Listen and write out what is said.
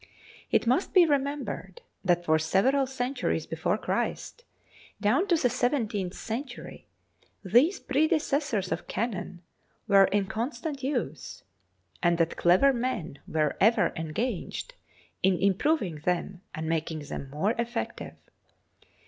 It must be remembered that from several cen turies before Christ down to the seventeenth cen tury, these predecessors of cannon were in constant use, and that clever men were ever engaged in im proving them and making them more effective.